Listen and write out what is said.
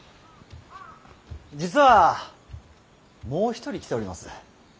実はもう一人来ております。